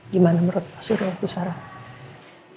gimana menurut pak surya bu sarah